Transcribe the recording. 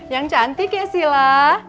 yang cantik ya sila